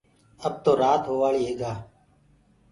اب تو رآت هووآݪيٚ هي گآ